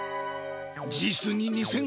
実に２，０００